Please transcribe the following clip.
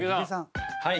はい。